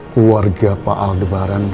keluarga pak aldebaran